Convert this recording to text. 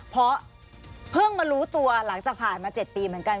เพราะเพิ่งมารู้ตัวหลังจากผ่านมา๗ปีเหมือนกัน